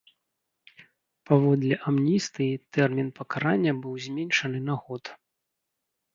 Паводле амністыі тэрмін пакарання быў зменшаны на год.